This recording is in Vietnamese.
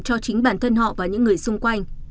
cho chính bản thân họ và những người xung quanh